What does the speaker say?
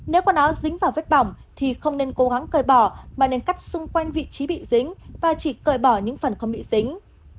nếu quần áo dính vào vết bỏng thì không nên cố gắng cơ bỏ mà nên cắt xung quanh vị trí bị dính và chỉ cởi bỏ những phần không bị dính